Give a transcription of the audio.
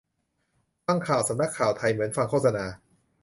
ฟังข่าวสำนักข่าวไทย เหมือนฟังโฆษณา